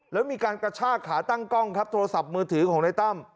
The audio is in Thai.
แล้วมีการกระชากขาตั้งกล้องครับโทรศัพท์มือถือของในตั้ม